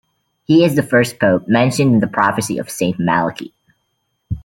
He is the first pope mentioned in the prophecy of Saint Malachy.